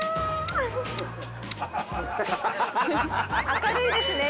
明るいですね